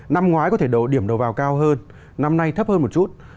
năm ngoái có thể đổ điểm đầu vào cao hơn năm nay thấp hơn một chút